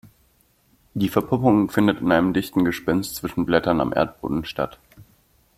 Die Verpuppung findet in einem dichten Gespinst zwischen Blättern am Erdboden statt.